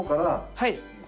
はい。